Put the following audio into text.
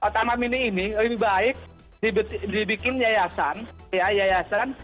taman mini ini lebih baik dibikin yayasan ya yayasan